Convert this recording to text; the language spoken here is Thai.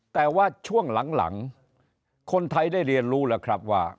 แต่ว่าช่วงหลังคนไทยได้เรียนรู้แล้วครับว่า